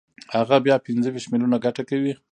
هغه بیا پنځه ویشت میلیونه ګټه کوي